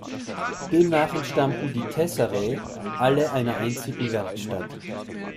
Demnach entstammten die "tesserae" alle einer einzigen Werkstatt.